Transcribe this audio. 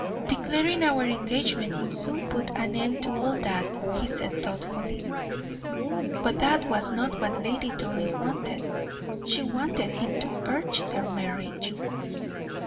"Declaring our engagement would soon put an end to all that," he said, thoughtfully. But that was not what the Lady Doris wanted; she wanted him to urge their marriage.